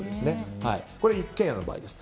これは一軒家の場合です。